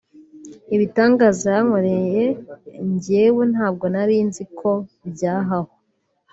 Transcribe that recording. ibitangaza yankoreye njyewe ntabwo nari nzi ko byahaho